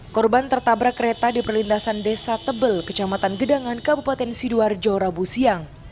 korban tertabrak kereta di perlintasan desa tebel kecamatan gedangan kabupaten sidoarjo rabu siang